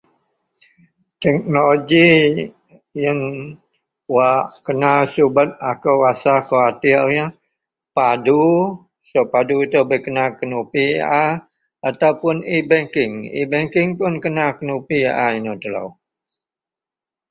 Teknologi wak di watir kou ialah padu kerana yian kena ke nopi jegam kawa Ebanking yian pun kena ke nopi a